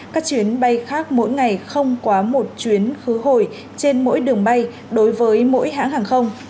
các chuyến bay khác mỗi ngày không quá một chuyến khứ hồi trên mỗi đường bay đối với mỗi hãng hàng không